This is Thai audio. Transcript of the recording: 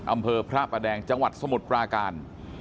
อำเภอพระประแดงจังหวัดสมุทรปราการ